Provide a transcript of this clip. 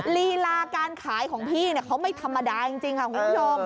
ลีลาการขายของพี่เขาไม่ธรรมดาจริงค่ะคุณผู้ชม